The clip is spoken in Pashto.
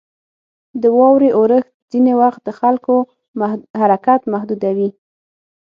• د واورې اورښت ځینې وخت د خلکو حرکت محدودوي.